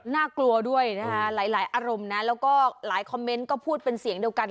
น่ากลัวด้วยนะคะหลายอารมณ์นะแล้วก็หลายคอมเมนต์ก็พูดเป็นเสียงเดียวกัน